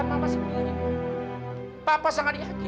dia mau melupakan kita gitu